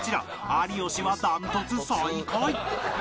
有吉は断トツ最下位